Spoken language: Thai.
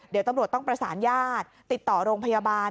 เดี๋ยวตำรวจต้องประสานญาติติดต่อโรงพยาบาล